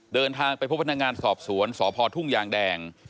เดินทางไปพบพนักงานสอบสวนสพทุ่งยางแดง